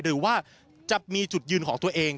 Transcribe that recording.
หรือว่าจะมีจุดยืนของตัวเอง